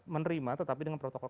menerima tetapi dengan protokol